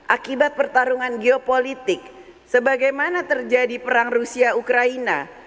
akibat pertarungan geopolitik sebagaimana terjadi perang rusia ukraina